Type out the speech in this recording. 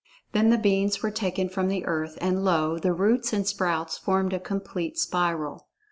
Then the beans[Pg 38] were taken from the earth, and lo! the roots and sprouts formed a complete spiral.